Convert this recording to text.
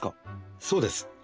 そうです。